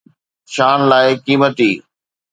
شان لاءِ قيمتي